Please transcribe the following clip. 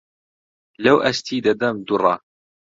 لەو ئەستی دەدەم دوڕە